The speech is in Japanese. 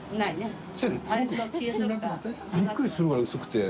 淵好織奪奸びっくりするぐらい薄くて。